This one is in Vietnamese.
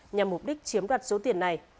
nhằm mục đích chiếm đoạt số tiền này